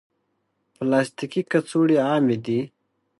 پلاستيکي کڅوړې عامې دي.